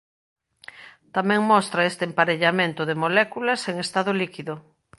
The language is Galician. Tamén mostra este emparellamento de moléculas en estado líquido.